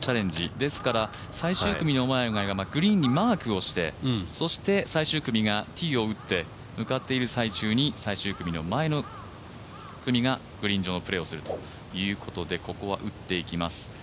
ですからグリーンにマークをしてそして最終組がティーを打って向かっている最中に最終組の前の組がグリーン上のプレーをするということでここは打っていきます。